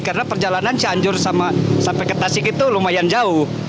karena perjalanan cianjur sampai ke tasik itu lumayan jauh